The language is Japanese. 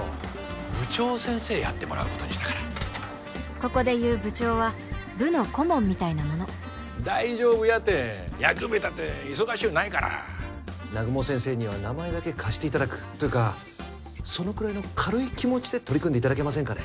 部長先生やってもらうことにしたからここで言う「部長」は部の顧問みたいなもの大丈夫やて野球部いうたって忙しゅうないから南雲先生には名前だけ貸していただくというかそのくらいの軽い気持ちで取り組んでいただけませんかね